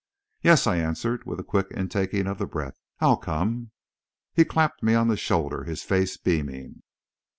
"Yes," I answered, with a quick intaking of the breath; "I'll come!" He clapped me on the shoulder, his face beaming.